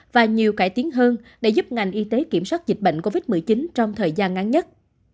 và nhiều cải tiến hơn để giúp ngành y tế kiểm soát dịch bệnh covid một mươi chín trong thời gian ngắn nhất